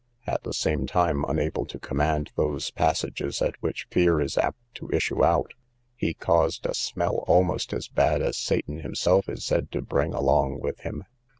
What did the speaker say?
At the same time, unable to command those passages at which fear is apt to issue out, he caused a smell almost as bad as Satan himself is said to bring along with him.